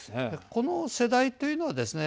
この世代というのはですね